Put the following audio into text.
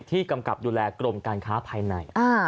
กำกับดูแลกรมการค้าภายใน